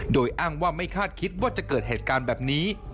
โดยอ้างว่าไม่คาดคิดว่าจะเกิดเหตุการณ์แบบนี้